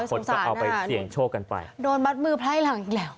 โอ้ยสงสารน่ะโดนบัดมือพล่ายหลังอีกแล้ว